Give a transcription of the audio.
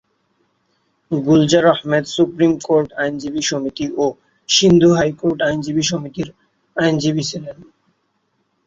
Gulzar Ahmed supreme court আইনজীবী সমিতি ও সিন্ধু হাইকোর্ট আইনজীবী সমিতির আইনজীবী ছিলেন।